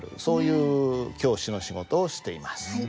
そういう教師の仕事をしています。